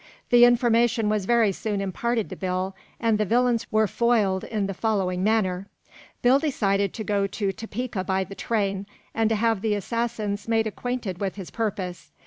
The information was very soon imparted to Bill, and the villains were foiled in the following manner: Bill decided to go to Topeka by the train, and to have the assassins made acquainted with his purpose.